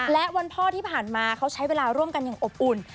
และวันพ่อที่ผ่านมาเขาใช้เวลาร่วมกันอย่างอบอุ่น